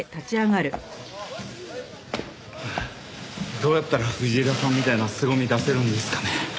どうやったら藤枝さんみたいなすごみ出せるんですかね。